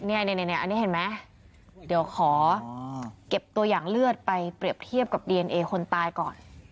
อันนี้เห็นไหมเดี๋ยวขอเก็บตัวอย่างเลือดไปเปรียบเทียบกับดีเอนเอคนตายก่อน